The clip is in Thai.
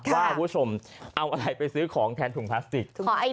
คุณผู้ชมเอาอะไรไปซื้อของแทนถุงพลาสติก